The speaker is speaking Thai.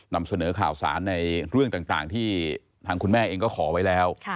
นำเสนอข่าวสารในเรื่องต่างที่ทางคุณแม่เองก็ขอไว้แล้ว